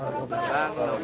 jangan berebut ya